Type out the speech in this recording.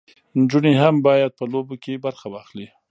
نجونې هم باید په لوبو کې برخه واخلي.